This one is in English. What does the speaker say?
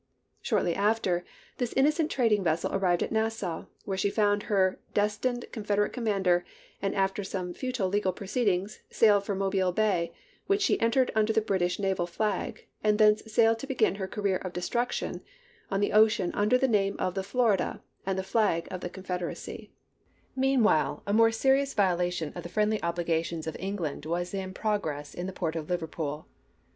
Shortly after, this innocent trading vessel arrived at Nassau, where she found her des tined Confederate commander, and after some fu tile legal proceedings sailed for Mobile Bay, which she entered under the British naval flag, and thence sailed to begin her career of destruction on the ocean under the name of the Florida and the flag of the Confederacy. DIPLOMACY OF 1862 53 Meanwhile a more serious violation of the chap. ni. friendly obligations of England was in progress in the port of Liverpool.